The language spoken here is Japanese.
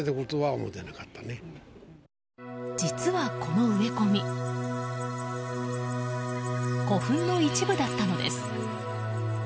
実はこの植え込み古墳の一部だったのです。